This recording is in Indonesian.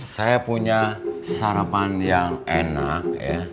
saya punya sarapan yang enak